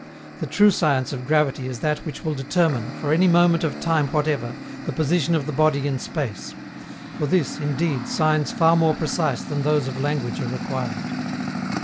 The true science of gravity is that which will determine, for any moment of time whatever, the position of the body in space. For this, indeed, signs far more precise than those of language are required.